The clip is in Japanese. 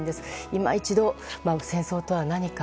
今一度、戦争とは何か？